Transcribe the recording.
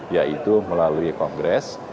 yaitu melalui kongres